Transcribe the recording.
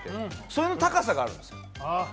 それの高さがあるんですよ。